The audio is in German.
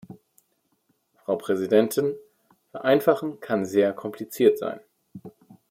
Frau Präsidentin, vereinfachen kann sehr kompliziert sein.